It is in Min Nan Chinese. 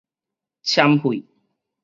攕血